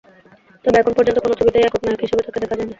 তবে এখন পর্যন্ত কোনো ছবিতেই একক নায়ক হিসেবে তাঁকে দেখা যায়নি।